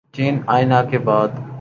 چین آئے نہ کے بعد